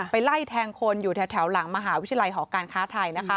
ไล่แทงคนอยู่แถวหลังมหาวิทยาลัยหอการค้าไทย